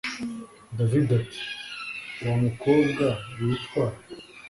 david ati wamukobwa witwa